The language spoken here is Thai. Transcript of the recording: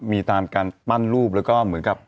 มีตามการปั้นรูปแล้วก็เหมือนกับ